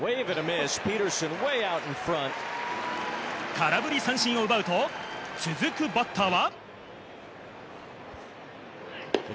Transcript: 空振り三振を奪うと、続くバッターは。